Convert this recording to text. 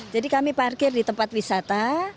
jadi kami parkir di tempat wisata